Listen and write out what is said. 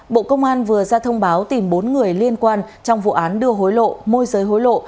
bộ công an vừa ra thông báo tìm bốn người liên quan trong vụ án đưa hối lộ môi giới hối lộ